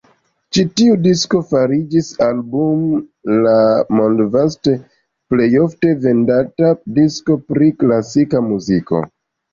Ĉi tiu disko fariĝis Album la mondvaste plejofte vendata disko pri klasika muziko.